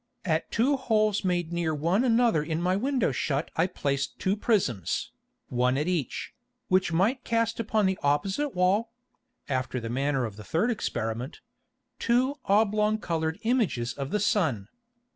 _ 7. At two holes made near one another in my Window shut I placed two Prisms, one at each, which might cast upon the opposite Wall (after the manner of the third Experiment) two oblong coloured Images of the Sun.